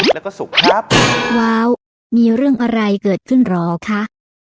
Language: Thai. แล้วก็สุขครับว้าวมีเรื่องอะไรเกิดขึ้นเหรอคะ